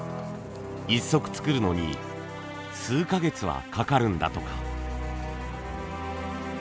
１足作るのに数か月はかかるんだとか。